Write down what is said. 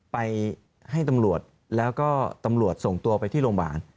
ไปให้ตำรวจแล้วก็ตำรวจส่งตัวไปที่โรงพยาบาล